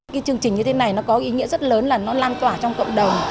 cái chương trình như thế này nó có ý nghĩa rất lớn là nó lan tỏa trong cộng đồng